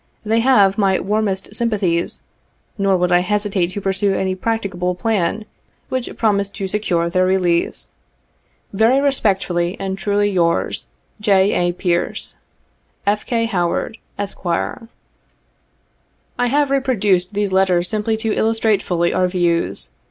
They have my warmest sympathies, nor would I hesitate to pursue any practicable plan which promised to secure their release. '' Very respectfully and truly yours,. "J. A. PEAEOE. "F. K. Howard, Esq." I have reproduced these letters simply to illustrate fully our views.